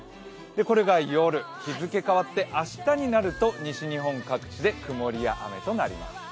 これが夜日付変わって明日になると西日本各地で曇りや雨となります。